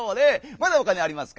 まだほかにありますか？」。